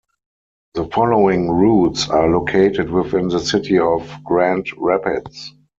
The following routes are located within the city of Grand Rapids.